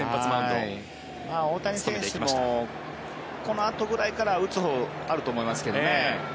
大谷選手もこのあとぐらいから打つほうがあると思いますけどね。